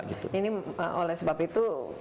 ini oleh sebab itu